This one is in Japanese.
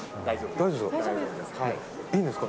大丈夫ですか？